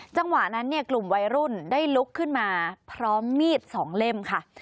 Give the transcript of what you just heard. จังหวะนั้นเนี่ยกลุ่มวัยรุ่นได้ลุกขึ้นมาพร้อมมีด๒เล่มค่ะ